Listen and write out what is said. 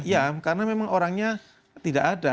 ya karena memang orangnya tidak ada